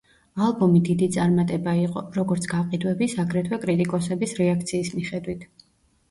ალბომი დიდი წარმატება იყო, როგორც გაყიდვების, აგრეთვე კრიტიკოსების რეაქციის მიხედვით.